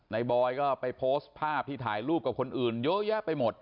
บอยก็ไปโพสต์ภาพที่ถ่ายรูปกับคนอื่นเยอะแยะไปหมด